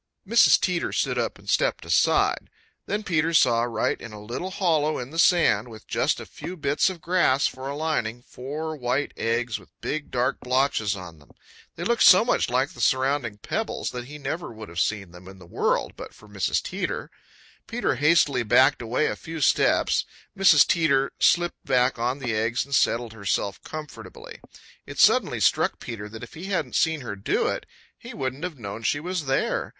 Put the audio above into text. Mrs. Teeter stood up and stepped aside. Then Peter saw right in a little hollow in the sand, with just a few bits of grass for a lining, four white eggs with big dark blotches on them. They looked so much like the surrounding pebbles that he never would have seen them in the world but for Mrs. Teeter. Peter hastily backed away a few steps. Mrs. Teeter slipped back on the eggs and settled herself comfortably. It suddenly struck Peter that if he hadn't seen her do it, he wouldn't have known she was there.